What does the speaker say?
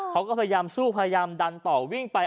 เขาก็พยายามสู้พยายามดันต่อวิ่งไป